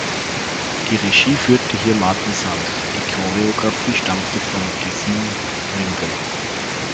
Die Regie führte hier Marten Sand, die Choreographie stammte vom Gesine Ringel.